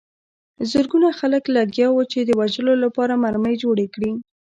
زرګونه خلک لګیا وو چې د وژلو لپاره مرمۍ جوړې کړي